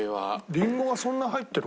リンゴがそんな入ってる？